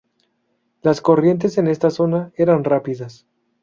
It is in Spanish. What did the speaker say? Las corrientes en esta zona eran rápidas.